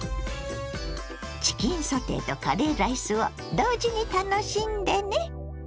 チキンソテーとカレーライスを同時に楽しんでね。